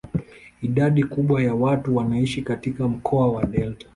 Idadi kubwa ya watu wanaishi katika mkoa wa delta.